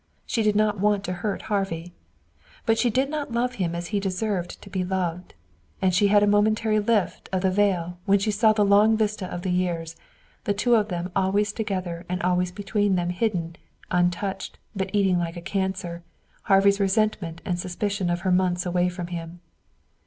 She did not want to hurt Harvey. But she did not love him as he deserved to be loved. And she had a momentary lift of the veil, when she saw the long vista of the years, the two of them always together and always between them hidden, untouched, but eating like a cancer, Harvey's resentment and suspicion of her months away from him.